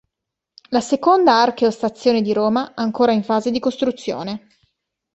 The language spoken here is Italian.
La seconda archeo-stazione di Roma, ancora in fase di costruzione.